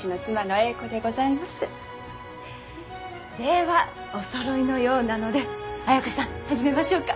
ではおそろいのようなので綾子さん始めましょうか。